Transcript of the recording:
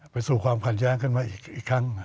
ไปสู่ความขัดแย้งขึ้นมาอีกครั้ง